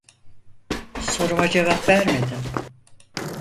Soruma cevap vermedin.